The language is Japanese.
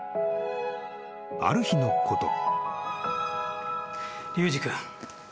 ［ある日のこと］